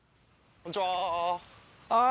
こんにちは。